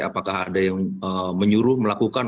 apakah ada yang menyuruh melakukan